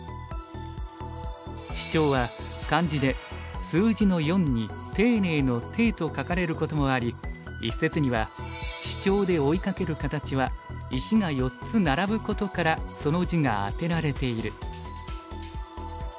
シチョウは漢字で数字の「四」に丁寧の「丁」と書かれることもあり一説にはシチョウで追いかける形は石が４つ並ぶことからその字が当てられている。